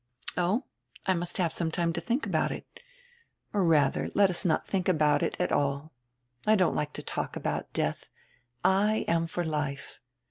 "Oh, I must have some time to think about it. Or, rather, let us not think about it at all. I don't like to talk about death; I am for life.